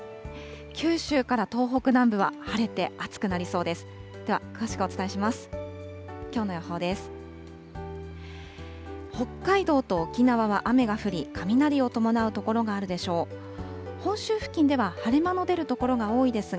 九州から東北南部は晴れて暑くなりそうです。